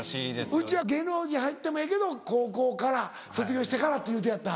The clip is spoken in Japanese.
うちは芸能に入ってもええけど高校から卒業してからって言うてあった。